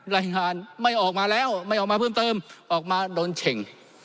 รายงานไม่ออกมาแล้วไม่ออกมาเพิ่มเติมออกมาโดนเฉ่ง